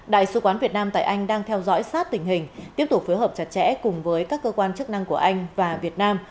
đại sứ quán việt nam tại anh đang theo dõi sát tình hình tiếp tục phối hợp chặt chẽ cùng với các cơ quan chức năng của anh và việt nam